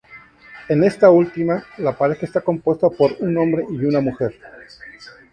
En esta última, la pareja está compuesta por un hombre y una mujer.